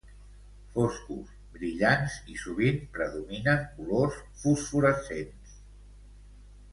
Foscos, brillants i sovint predominen colors fosforescents.